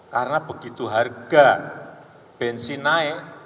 karena begitu harga bensin naik